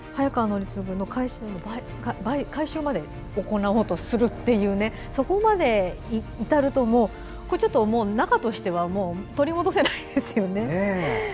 早川徳次に買収まで行おうとするというそこまで至ると仲としては取り戻せないですよね。